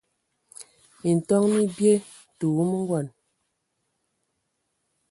Minton mi bie, tə wumu ngɔn.